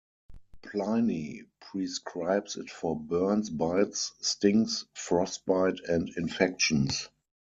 Pliny prescribes it for burns, bites, stings, frostbite and infections.